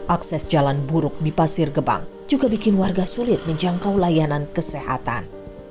akses jalan buruk di pasir gebang juga bikin warga sulit menjangkau layanan kesehatan